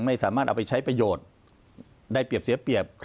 ไม่สามารถเอาไปใช้ประโยชน์ได้เปรียบเสียเปรียบ